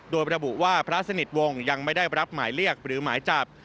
โดยระบุว่าพระสนิทวงศ์ยังไม่ได้รับหมายเรียกหรือหมายจับ